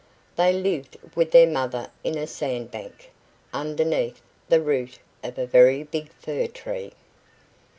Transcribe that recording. They lived with their Mother in a sandbank, underneath the root of a very big fir tree.